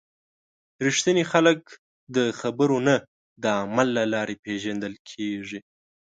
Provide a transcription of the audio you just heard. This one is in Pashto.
رښتیني خلک د خبرو نه، د عمل له لارې پیژندل کېږي.